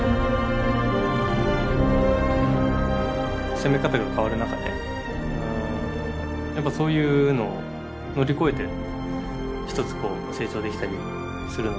攻め方が変わる中でやっぱそういうのを乗り越えてひとつ成長できたりするので。